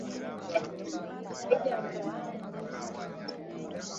michezo mingi ya mtandao ina faida kubwa sana